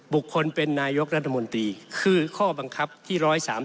บุคคลเป็นนายกรัฐมนตรีคือข้อบังคับที่๑๓๓